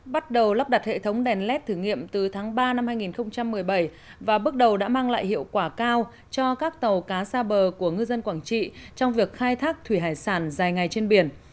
bắt đầu lắp đặt hệ thống đèn led thử nghiệm từ tháng ba năm hai nghìn một mươi bảy và bước đầu đã mang lại hiệu quả cao cho các tàu cá xa bờ của ngư dân quảng trị trong việc khai thác thủy hải sản dài ngày trên biển